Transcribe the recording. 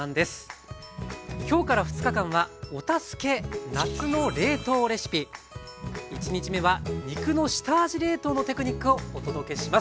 今日から２日間は１日目は肉の下味冷凍のテクニックをお届けします。